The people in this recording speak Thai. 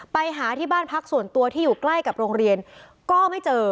ไปหาที่บ้านพักส่วนตัวที่อยู่ใกล้กับโรงเรียนก็ไม่เจอ